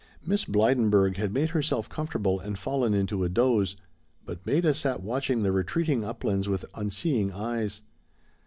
Miss Blydenburg had made herself comfortable and fallen into a doze, but Maida sat watching the retreating uplands with unseeing eyes.